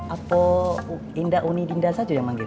apo indah undi dinda saja yang manggil